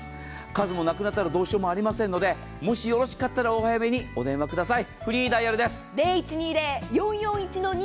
数もなくなったらもうどうしようもありませんのでもしよろしかったらお早めにお電話ください。